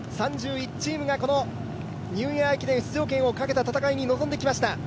３１チームがこのニューイヤー駅伝出場権をかけた戦いに臨んできました。